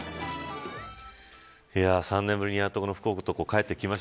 ３年ぶりにやっと福男が帰ってきました。